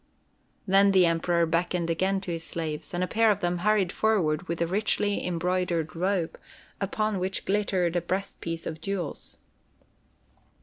Then the Emperor beckoned again to his slaves, and a pair of them hurried forward with a richly embroidered robe, upon which glittered a breastpiece of jewels.